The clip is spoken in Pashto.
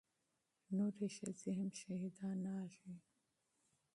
نورې ښځې هم شهيدانېږي.